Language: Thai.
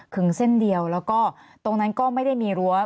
ึงเส้นเดียวแล้วก็ตรงนั้นก็ไม่ได้มีรั้ว